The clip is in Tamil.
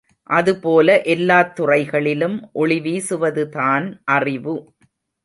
அதுபோல எல்லாத் துறைகளிலும் ஒளிவீசுவதுதான் அறிவு.